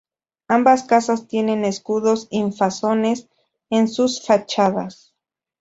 Ambas casas tienen escudos infanzones en sus fachadas.